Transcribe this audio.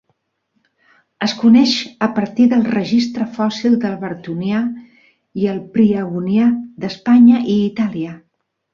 Es coneix a partir del registre fòssil del Bartonià i el Priabonià d'Espanya i Itàlia.